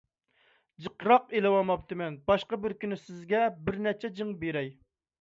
جىقراق ئېلىۋالماپتىمەن، باشقا بىر كۈنى سىزگە بىر نەچچە جىڭ بېرەي.